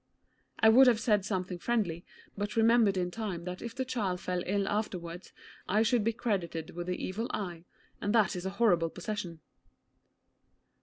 I would have said something friendly, but remembered in time that if the child fell ill afterwards I should be credited with the Evil Eye, and that is a horrible possession.